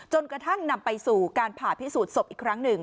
จนกระทั่งนำไปสู่การผ่าพิสูจนศพอีกครั้งหนึ่ง